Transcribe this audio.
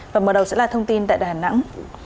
và mở đầu sẽ là thông tin tại đà nẵng